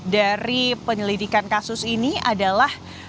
dari penyelidikan kasus ini adalah